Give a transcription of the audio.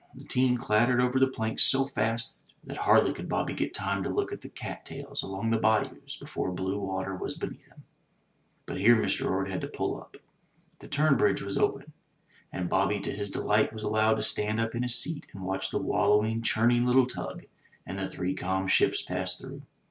The team clattered over the planks so fast that hardly could Bobby get time to look at the cat tails along the bayous before blue water was beneath him. But here Mr. Orde had to pull up. The turn bridge was open; and Bobby to his delight was allowed to stand up in his seat and watch the wallowing, churning little tug and the three calm ships pass through.